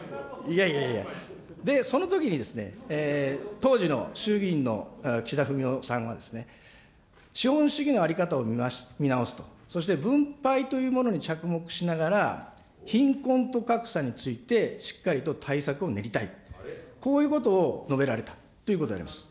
で、そのときにですね、当時の衆議院の岸田文雄さんは、資本主義の在り方を見直すと、そして分配というものに着目しながら、貧困と格差についてしっかりと対策を練りたいと、こういうことを述べられたということであります。